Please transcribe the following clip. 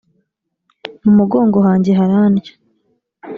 mu mugongo hanjye harandya